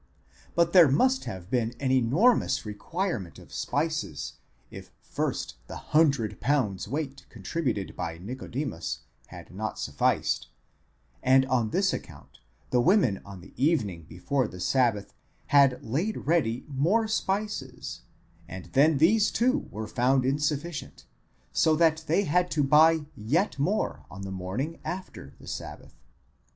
® But there must have been an enormous requirement of spices if first the hundred pounds weight contributed by Nicodemus had not sufficed, and on this account the women on the evening before the sabbath had laid ready more spices, and then these too were found insufficient, so that they had to buy yet more on the morning after the sabbath.